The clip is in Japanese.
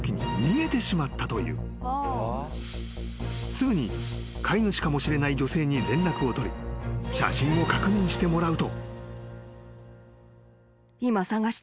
［すぐに飼い主かもしれない女性に連絡を取り写真を確認してもらうと］